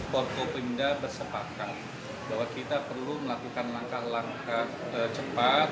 porkopimda bersepakat bahwa kita perlu melakukan langkah langkah cepat